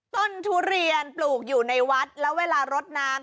ทุเรียนปลูกอยู่ในวัดแล้วเวลารดน้ำ